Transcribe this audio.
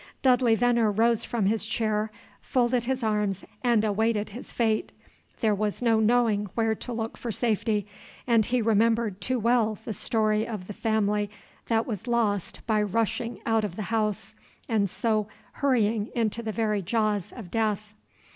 Dudley Venner rose from his chair, folded his arms, and awaited his fate. There was no knowing where to look for safety; and he remembered too well the story of the family that was lost by rushing out of the house, and so hurrying into the very jaws of death.